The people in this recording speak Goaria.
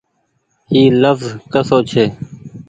اي لڦز ڪسو ڇي۔